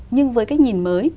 nhưng với cái nhìn mới